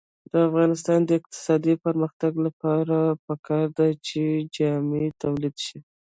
د افغانستان د اقتصادي پرمختګ لپاره پکار ده چې جامې تولید شي.